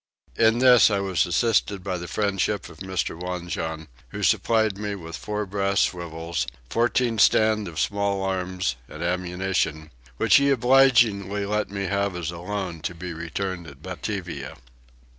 In this I was assisted by the friendship of Mr. Wanjon who supplied me with four brass swivels, 14 stand of small arms, and ammunition, which he obligingly let me have as a loan to be returned at Batavia.